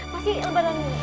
pasti lembaran ini